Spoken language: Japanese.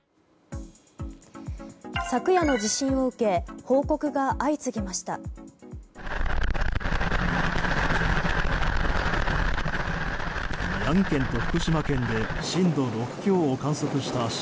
昨夜の地震を受け報告が相次ぎました。